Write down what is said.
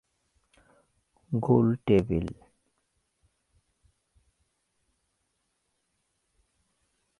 গোলটেবিল